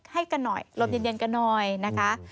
ให้กันหน่อยลมเย็นกันหน่อยนะคะ